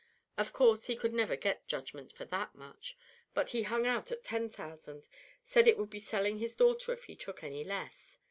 Of course, he could never get judgment for that much. But he hung out at ten thousand; said it would be selling his daughter if he took any less.